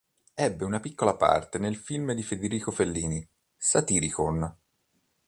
Ebbe una piccola parte nel film di Federico Fellini "Satyricon".